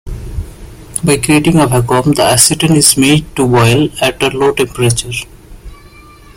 By creating a vacuum, the acetone is made to boil at a low temperature.